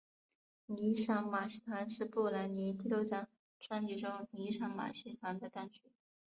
妮裳马戏团是布兰妮第六张专辑中妮裳马戏团的单曲。